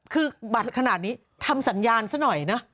คือบัตรขนาดนี้ทำสัญญาณซะหน่อยนะ